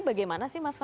bagaimana sih mas fakir